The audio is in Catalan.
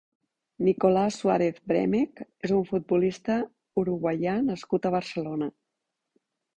Nicolás Suárez Bremec és un futbolista uruguaià nascut a Barcelona.